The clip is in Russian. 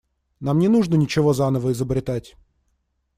Нам не нужно ничего заново изобретать.